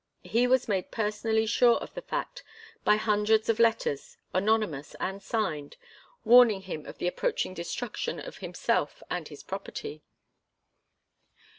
He was made personally sure of the fact by hundreds of letters, anonymous and signed, warning him of the approaching destruction of himself and his property.